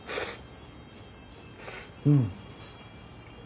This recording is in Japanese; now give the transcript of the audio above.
うん。